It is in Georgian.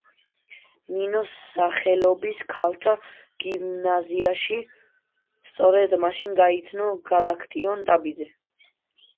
ნინოს სახელობის ქალთა გიმნაზიაში, სწორედ მაშინ გაიცნო გალაკტიონ ტაბიძე.